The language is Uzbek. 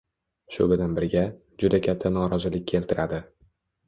Shu bilan birga, juda katta norozilik keltiradi.